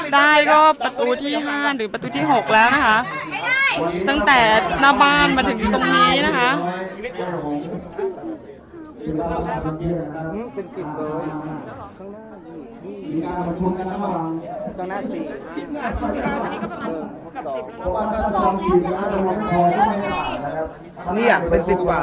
ได้ก็ประตูที่๕หรือประตูที่๖แล้วนะคะตั้งแต่หน้าบ้านมาถึงตรงนี้นะคะ